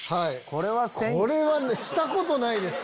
これはしたことないです。